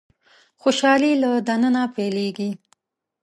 خوشالي له د ننه پيلېږي.